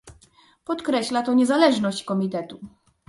Podkreśla to niezależność Komitetu